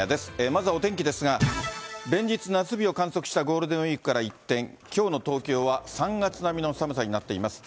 まずはお天気ですが、連日夏日を観測したゴールデンウィークから一転、きょうの東京は３月並みの寒さになっています。